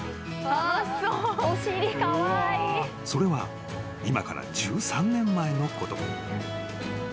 ［それは今から１３年前のこと］